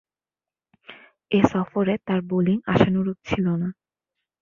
এ সফরে তার বোলিং আশানুরূপ ছিল না।